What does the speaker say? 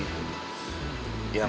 ketua beli kobra